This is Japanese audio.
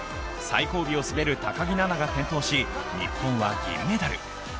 最後尾を滑る高木菜那が転倒し、日本は銀メダル。